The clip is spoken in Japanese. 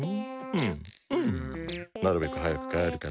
うんうんなるべくはやくかえるから。